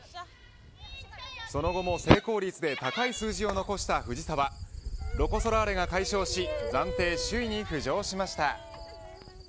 その後も成功率で高い数字を残した藤澤ロコ・ソラーレが快勝し暫定首位に浮上しました。